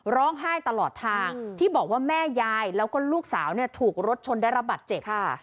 ร้องไห้ตลอดทางที่บอกว่าแม่ยายแล้วก็ลูกสาวเนี่ยถูกรถชนได้รับบัตรเจ็บค่ะ